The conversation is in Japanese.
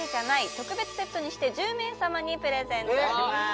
特別セットにして１０名様にプレゼントします